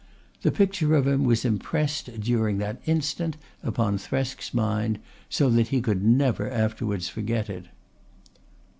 The picture of him was impressed during that instant upon Thresk's mind, so that he could never afterwards forget it.